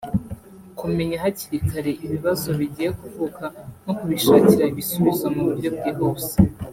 kumenya hakiri kare ibibazo bigiye kuvuka no kubishakira ibisubizo mu buryo bwihuse"